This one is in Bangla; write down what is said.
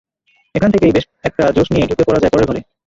এখান থেকেই বেশ একটা জোশ নিয়ে ঢুকে পড়া যায় পরের ঘরে।